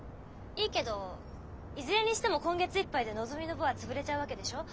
いいけどいずれにしても今月いっぱいでのぞみの部は潰れちゃうわけでしょう？